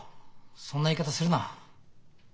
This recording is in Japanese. そんな言い方するな。